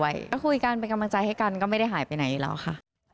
ก็คุยกันเป็นกำลังใจให้กันก็ไม่ได้หายไปไหนแล้วค่ะ